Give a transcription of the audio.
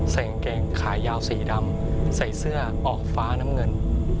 กางเกงขายาวสีดำใส่เสื้อออกฟ้าน้ำเงิน